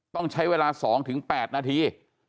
ต้องใช้เวลา๒๘นาที